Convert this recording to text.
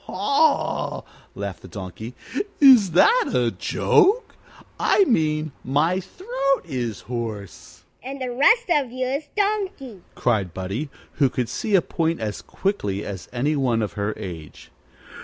"Hee haw!" laughed the Donkey. "Is that a joke? I mean my throat is hoarse." "And the rest of you is donkey!" cried Buddie, who could see a point as quickly as any one of her age.